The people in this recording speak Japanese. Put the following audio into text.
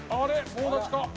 棒立ちか？